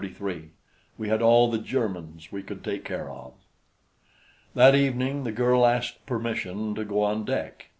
We had all the Germans we could take care of. That evening the girl asked permission to go on deck.